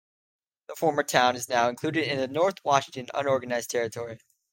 The former town is now included in the North Washington Unorganized Territory.